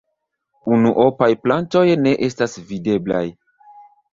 Unuopaj plantoj ne estas videblaj.